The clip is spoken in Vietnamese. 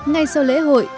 ngay sau lễ hội